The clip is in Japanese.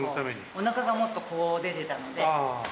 おなかがもっとこう、出てたので。